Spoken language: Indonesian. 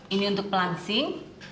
ini untuk pelangsing